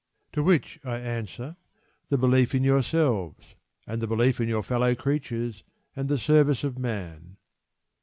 To which I answer, "The belief in yourselves, and the belief in your fellow creatures, and the service of Man."